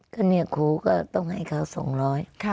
ก็เนี่ยครูก็ต้องให้เขาสองร้อย